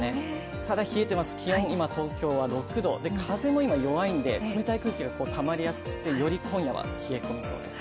ただ冷えています、気温、今、東京は６度、風も弱いので、冷たい空気もたまりやすいのでより今夜は冷え込みそうです。